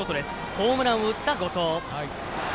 ホームランを打った後藤。